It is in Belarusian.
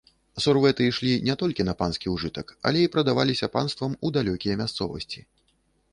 Сурвэты ішлі не толькі на панскі ўжытак, але і прадаваліся панствам у далёкія мясцовасці.